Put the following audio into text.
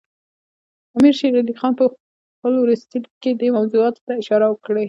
امیر شېر علي خان په خپل وروستي لیک کې دې موضوعاتو ته اشاره کړې.